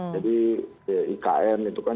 jadi ikn itu kan